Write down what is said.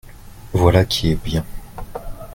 Voilà qui est bien